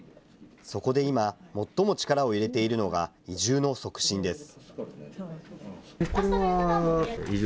そこで今、最も力を入れているのが移住の促進です。